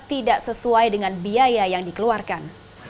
tidak sesuai dengan biaya yang dikeluarkan